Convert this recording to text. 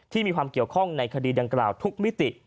ที่มีความเกี่ยวข้องในคดีเดินกราวทุกมิติ